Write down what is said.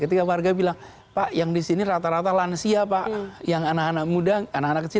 ketika warga bilang pak yang di sini rata rata lansia pak yang anak anak muda anak anak kecil